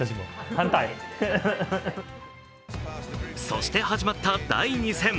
そして始まった第２戦。